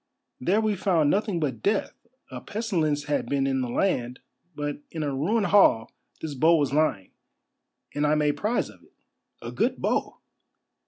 There we found nothing but death; a pestilence had been in the land, but in a ruined hall this bow was lying, and I made prize of it. A good bow!"